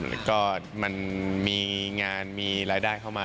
แล้วก็มันมีงานมีรายได้เข้ามา